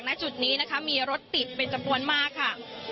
นักจุดนี้มีรถติดเป็นจำนวนมากค่ะ